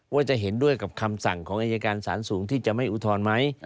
ว่าจะเห็นด้วยกับคำสั่งของอายการสารสูงที่จะไม่อุทธรณ์ไหม